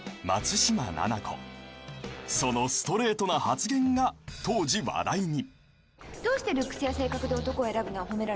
［そのストレートな発言が当時話題に］